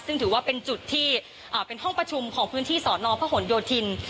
ซึ่งถือว่าเป็นจุดที่เป็นห้องประชุมของพื้นที่สอนอพหนโยธิน